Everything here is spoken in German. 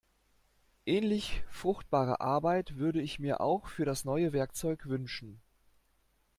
Ähnlich fruchtbare Arbeit würde ich mir auch für das neue Werkzeug wünschen.